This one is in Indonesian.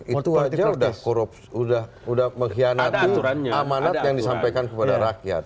itu aja sudah mengkhianati amanat yang disampaikan kepada rakyat